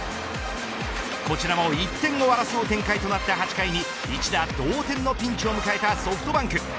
こちらも１点を争う展開となった８回に一打同点のピンチを迎えたソフトバンク。